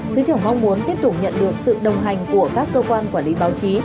thứ trưởng mong muốn tiếp tục nhận được sự đồng hành của các cơ quan quản lý báo chí